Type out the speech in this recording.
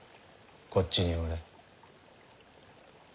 こっちにおれ。